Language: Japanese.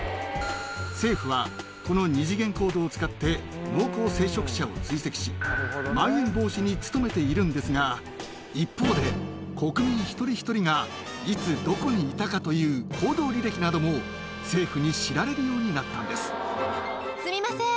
政府は、この二次元コードを使って、濃厚接触者を追跡し、まん延防止に努めているんですが、一方で、国民一人一人が、いつ、どこにいたかという行動履歴なども政府に知られるようになったんすみません。